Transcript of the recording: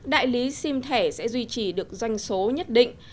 đại lý sim thẻ sẽ duy trì được doanh số nhất định